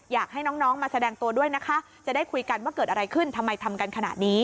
อยากให้น้องมาแสดงตัวด้วยนะคะ